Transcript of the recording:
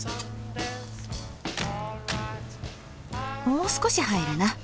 もう少し入るな。